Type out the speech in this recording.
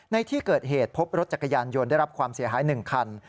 ในที่เกิดเหตุพบรถจักรยานยนต์ได้รับความเสียหาย๑คัน